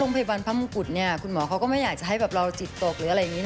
พยาบาลพมกุฎคุณหมอก็ไม่อยากจะให้เราจิตตก